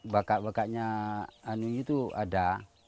baka baka nya itu ada